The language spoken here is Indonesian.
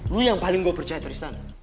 lu yang paling gue percaya tristan